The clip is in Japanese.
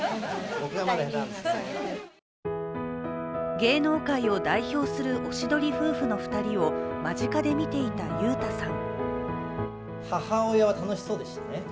芸能界を代表するおしどり夫婦の２人を間近で見ていた裕太さん。